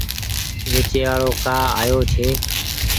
ويچي وآڙو ڪآ آيو ڇي ۔